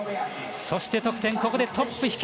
そして得点、ここでトップ。